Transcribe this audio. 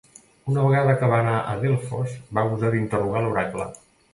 Una vegada que va anar a Delfos va gosar d'interrogar l'oracle